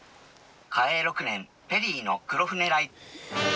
嘉永６年ペリーの黒船来。